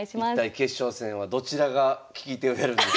一体決勝戦はどちらが聞き手をやるんですか？